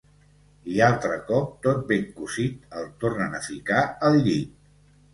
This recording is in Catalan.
I altre cop tot ben cosit el tornen a ficar al llit.